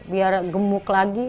biar gemuk lagi